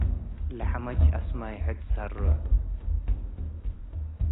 ለሐመች አስማይ ሕድ ሰርዕዉ ።